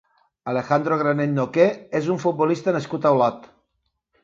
Alejandro Granell Noqué és un futbolista nascut a Olot.